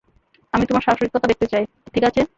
আমি তোমার সাহসিকতা দেখতে চাই, ঠিক আছে?